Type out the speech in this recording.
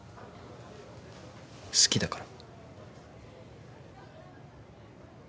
好きだから。